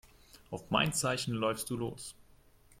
Auf mein Zeichen läufst du los.